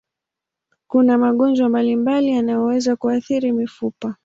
Kuna magonjwa mbalimbali yanayoweza kuathiri mifupa.